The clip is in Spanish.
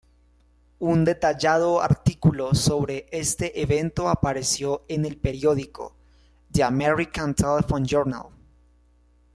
Un detallado artículo sobre este evento apareció en el periódico "The American Telephone Journal".